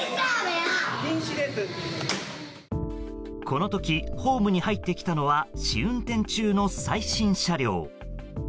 この時ホームに入ってきたのは試運転中の最新車両。